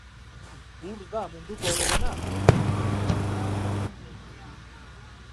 Hur da munduko oberena?